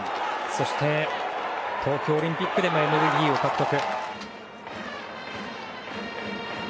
そして、東京オリンピックでもＭＶＰを獲得。